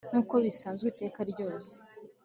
nkuko bisanzwe iteka ryose